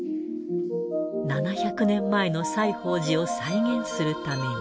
７００年前の西芳寺を再現するために。